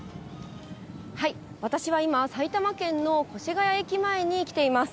私は今、埼玉県の越谷駅前に来ています。